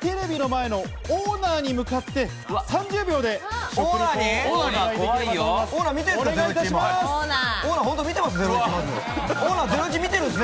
テレビの前のオーナーに向かって３０秒で食リポお願いします。